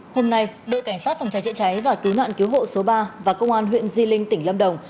hôm nay đội cảnh sát phòng cháy chữa cháy và cứu nạn cứu hộ số ba và công an huyện di linh tỉnh lâm đồng